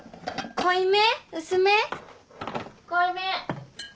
・濃いめ。